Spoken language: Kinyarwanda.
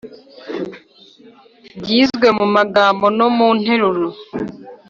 byizwe mu magambo no mu nteruro